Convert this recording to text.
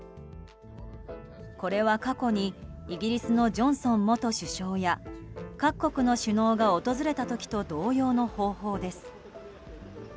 これは、過去にイギリスのジョンソン元首相や各国の首脳が訪れた時と同様の方法です。